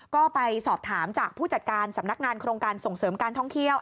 ก็ไปสอบถามจากผู้จัดการสำนักงานโครงการส่งเสริมการท่องเที่ยว